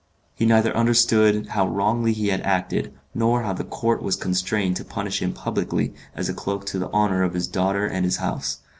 He neither understood how wrongly he had acted, nor how the count was constrained to punish him publicly as a cloak to the honour of his daughter and his house.